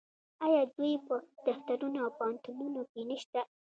آیا دوی په دفترونو او پوهنتونونو کې نشته؟